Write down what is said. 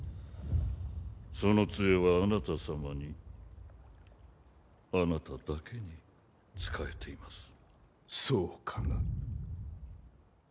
その杖はあなた様にあなただけに仕えていますそうかな？